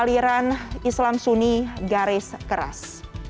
beraliran islam sunni garis keras